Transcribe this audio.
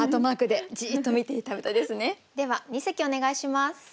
では二席お願いします。